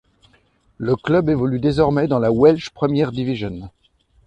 Le club évolue désormais dans la Welsh Premier Division.